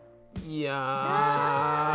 いや！